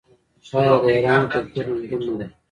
آیا د ایران کلتور رنګین نه دی؟